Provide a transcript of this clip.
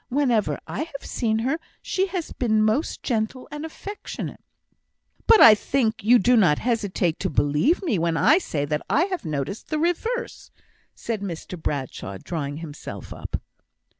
Whenever I have seen her, she has been most gentle and affectionate." "But I think you do not hesitate to believe me, when I say that I have noticed the reverse," said Mr Bradshaw, drawing himself up.